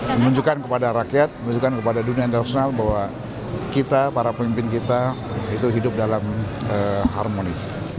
menunjukkan kepada rakyat menunjukkan kepada dunia internasional bahwa kita para pemimpin kita itu hidup dalam harmonis